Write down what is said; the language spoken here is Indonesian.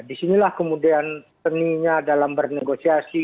di sinilah kemudian seninya dalam bernegosiasi